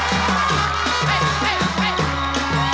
โอ้โหโอ้โหโอ้โห